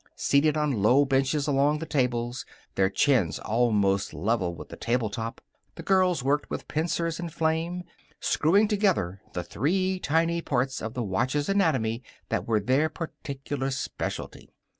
Seated on low benches along the tables, their chins almost level with the table top, the girls worked with pincers and flame, screwing together the three tiny parts of the watch's anatomy that were their particular specialty.